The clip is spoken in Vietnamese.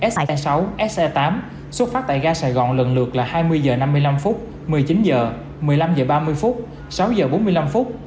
se sáu se tám xuất phát tại gai sài gòn lần lượt là hai mươi h năm mươi năm một mươi chín h một mươi năm h ba mươi sáu h bốn mươi năm